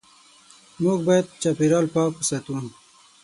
موږ باید چاپېریال پاک وساتو.